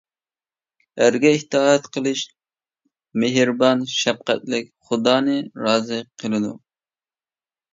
ئەرگە ئىتائەت قىلىش مېھرىبان، شەپقەتلىك خۇدانى رازى قىلىدۇ.